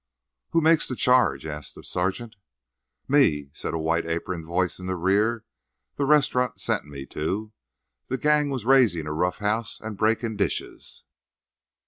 "Who makes the charge?" asked the sergeant. "Me," said a white aproned voice in the rear. "De restaurant sent me to. De gang was raisin' a rough house and breakin' dishes."